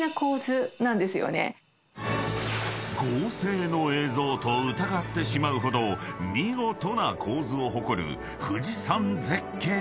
［合成の映像と疑ってしまうほど見事な構図を誇る富士山絶景とは？］